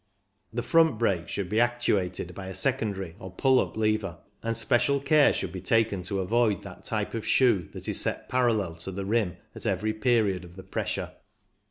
The front brake should be actuated by a secondary, or pull up, lever, and special care should be taken to avoid that type of shoe that is set parallel to the rim at every period of th6 pressure.